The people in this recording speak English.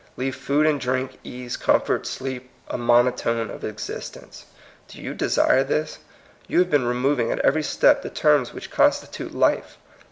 Leave food and drink, ease, com fort, sleep, a monotone of existence. Do you desire thisr You have been removing at every step the terms which constitute life.